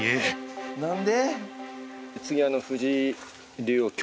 何で？